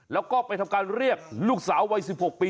แล้วก็ไปทำการเรียกลูกสาววัย๑๖ปี